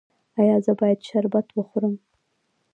ایا زه باید شربت وخورم؟